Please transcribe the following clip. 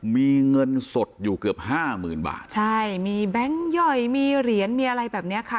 มีเงินสดอยู่เกือบห้าหมื่นบาทใช่มีแบงค์ย่อยมีเหรียญมีอะไรแบบเนี้ยค่ะ